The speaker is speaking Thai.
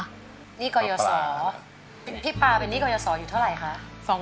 หนี้กรยศรพี่ปาเป็นหนี้กรยาศรอยู่เท่าไหร่คะ